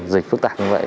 dịch phức tạp như vậy